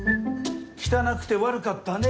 汚くて悪かったね。